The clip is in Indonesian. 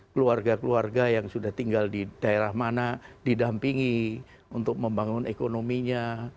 keluarga keluarga yang sudah tinggal di daerah mana didampingi untuk membangun ekonominya